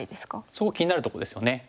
すごく気になるとこですよね。